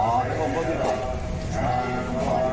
เมื่อวานแบงค์อยู่ไหนเมื่อวาน